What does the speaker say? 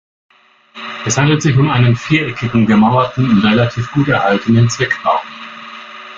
Es handelt sich um einen viereckigen gemauerten und relativ gut erhaltenen Zweckbau.